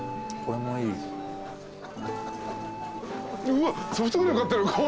うわっソフトクリーム買ってる！